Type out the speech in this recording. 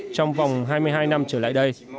trong vòng hai mươi hai năm trở lại đây